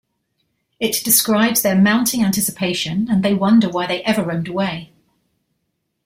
It describes their mounting anticipation and they wonder why they ever roamed away.